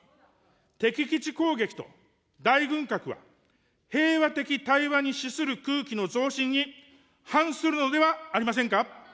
敵基地攻撃と大軍拡は、平和的対話に資する空気の増進に反するのではありませんか。